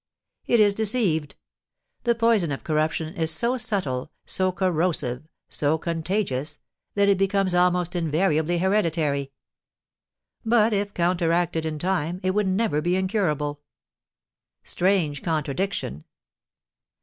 It is deceived; the poison of corruption is so subtle, so corrosive, so contagious, that it becomes almost invariably hereditary; but, if counteracted in time, it would never be incurable. Strange contradiction!